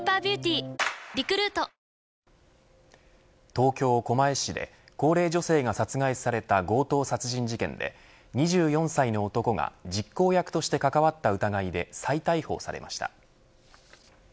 東京、狛江市で高齢女性が殺害された強盗殺人事件で２４歳の男が実行役として関わった疑いで再逮捕されました。